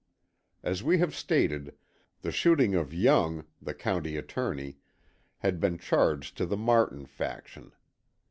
As we have stated, the shooting of Young, the County Attorney, had been charged to the Martin faction.